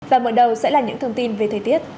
và mở đầu sẽ là những thông tin về thời tiết